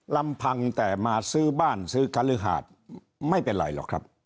ลำพังแต่มาซื้อบ้านซื้อคฤหาดไม่เป็นไรหรอกครับ